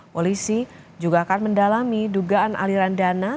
polisi juga akan mendalami dugaan aliran dana